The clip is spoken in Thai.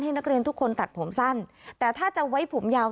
นักเรียนทุกคนตัดผมสั้นแต่ถ้าจะไว้ผมยาว